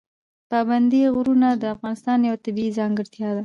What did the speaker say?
پابندی غرونه د افغانستان یوه طبیعي ځانګړتیا ده.